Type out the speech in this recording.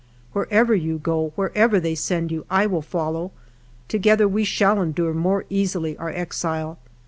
" Wherever you go, wherever they send you, I will follow ; together we shall endure more easily our exile.